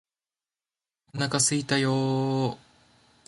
お腹すいたよーー